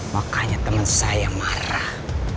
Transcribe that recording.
makanya teman saya marah